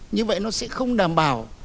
như vậy nó sẽ không đảm bảo